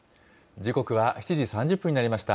時刻は７時３０分になりました。